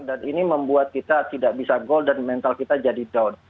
dan ini membuat kita tidak bisa goal dan mental kita jadi down